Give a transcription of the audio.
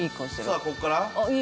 さぁここから。